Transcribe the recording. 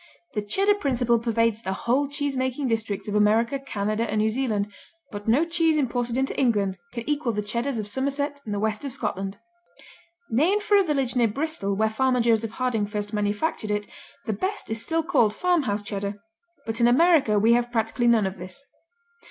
The Cheddar principle pervades the whole cheesemaking districts of America, Canada and New Zealand, but no cheese imported into England can equal the Cheddars of Somerset and the West of Scotland. Named for a village near Bristol where farmer Joseph Harding first manufactured it, the best is still called Farmhouse Cheddar, but in America we have practically none of this.